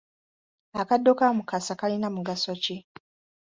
Akaddo ka Mukasa kalina mugaso ki?